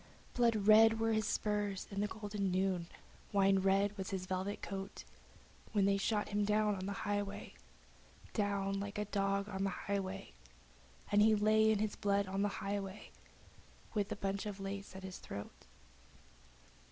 Blood red were his spurs in the golden noon, wine red was his velvet coat When they shot him down in the highway, Down like a dog in the highway, And he lay in his blood in the highway, with the bunch of lace at his throat.